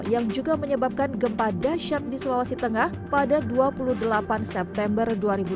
yang juga menyebabkan gempa dasyat di sulawesi tengah pada dua puluh delapan september dua ribu dua puluh